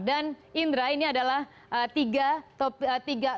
dan indra ini adalah tiga